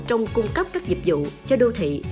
trong cung cấp các dịch vụ cho đô thị